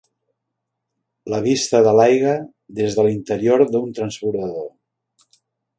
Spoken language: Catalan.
La vista de l'aigua des de l'interior d'un transbordador.